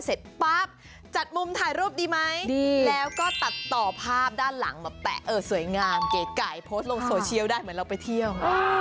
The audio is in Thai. เสร็จปั๊บจัดมุมถ่ายรูปดีไหมแล้วก็ตัดต่อภาพด้านหลังแบบแตะสวยงามเก๋ไก่โพสต์ลงโซเชียลได้เหมือนเราไปเที่ยว